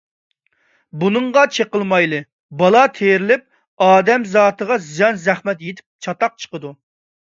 بۇنىڭغا چېقىلمايلى، بالا تېرىلىپ، ئادەمزاتقا زىيان - زەخمەت يېتىپ، چاتاق چىقىدۇ.